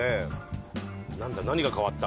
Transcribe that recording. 何が変わった？